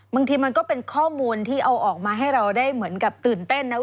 บางทีมันก็เป็นข้อมูลที่เอาออกมาให้เราได้เหมือนกับตื่นเต้นนะ